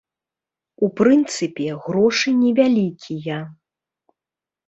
У прынцыпе, грошы невялікія.